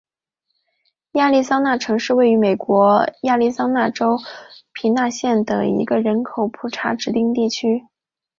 亚利桑那城是位于美国亚利桑那州皮纳尔县的一个人口普查指定地区。